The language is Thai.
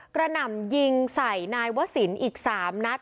หน่ำยิงใส่นายวศิลป์อีก๓นัด